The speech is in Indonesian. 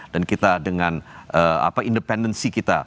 dan kita dengan independensi kita